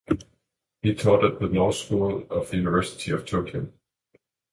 He taught at the Law School of the University of Tokyo.